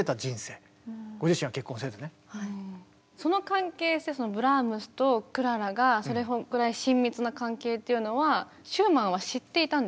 まあ本当にその関係性ブラームスとクララがそれぐらい親密な関係っていうのはシューマンは知っていたんですか。